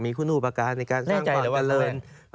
คุณอุปการณ์ในการสร้างความเจริญ